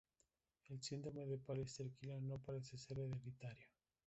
El síndrome de Pallister-Killian no parece ser hereditario.